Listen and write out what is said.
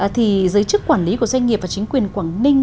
thì giới chức quản lý của doanh nghiệp và chính quyền quảng ninh